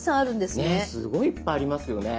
ねえすごいいっぱいありますよね。